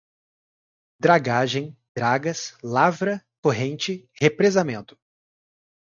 dragagem, dragas, lavra, corrente, represamento